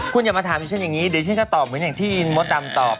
คุณอย่ามาถามดิฉันอย่างนี้เดี๋ยวฉันก็ตอบเหมือนอย่างที่มดดำตอบ